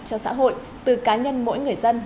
cho xã hội từ cá nhân mỗi người dân